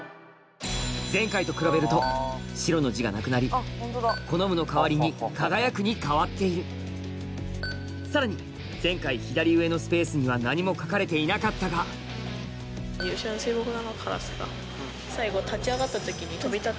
前回と比べると白の字がなくなり好むの代わりに輝くに変わっているさらに前回左上のスペースには何も書かれていなかったが最後。